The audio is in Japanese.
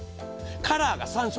カラーが３色。